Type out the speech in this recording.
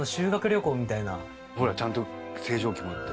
ほらちゃんと清浄機もあって。